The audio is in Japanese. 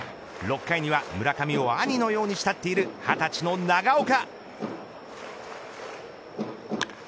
６回には、村上を兄のように慕っている２０歳の長岡。